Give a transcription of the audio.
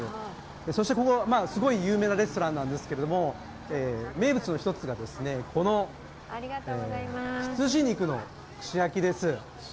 そしてここ、すごい有名なレストランなんですけれども名物の一つがこの羊肉の串焼きです。